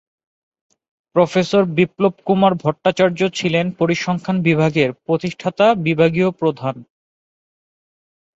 Professor Biplab Kumar Bhattacharya ছিলেন পরিসংখ্যান বিভাগের প্রতিষ্ঠাতা বিভাগীয় প্রধান।